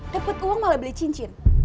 dapat uang malah beli cincin